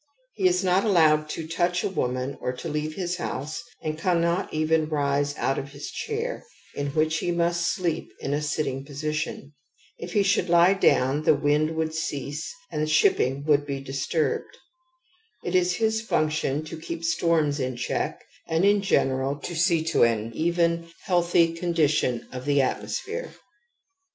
He is not allowed to touch a woman or to leave his house and cannot evenrise out of his chair, in which he must sleep in a sitting position. If he should lie down the wind would cease and shipping would be disturbed. It is his function to keep storms in check, and in general, to see to an even, healthy condition of the atmosphere »®